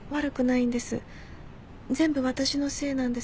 全部私のせいなんです。